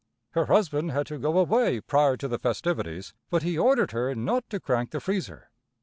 Her husband had to go away prior to the festivities, but he ordered her not to crank the freezer.